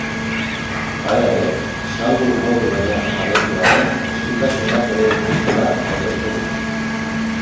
Hala ere, salbu modu berean jarraitu arren estutasunak ere dituztela aitortu du.